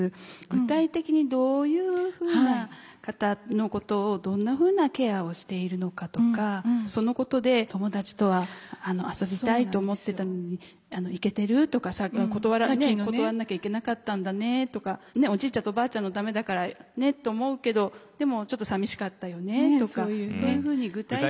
具体的に「どういうふうな方のことをどんなふうなケアをしているのか」とか「そのことで友達とは遊びたいと思ってたのに行けてる？」とか「断らなきゃいけなかったんだね」とか「おじいちゃんとおばあちゃんのためだからねと思うけどでもちょっとさみしかったよね」とかそういうふうに具体的に。